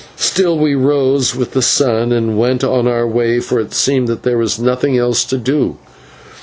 Still we rose with the sun and went on our way, for it seemed that there was nothing else to do.